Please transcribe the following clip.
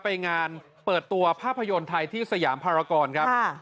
ไปงานเปิดตัวภาพยนตร์ไทยที่สยามภารกรครับ